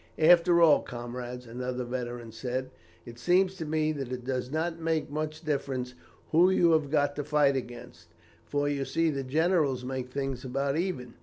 "After all, comrades," another veteran said, "it seems to me that it does not make much difference who you have got to fight against, for you see the generals make things about even.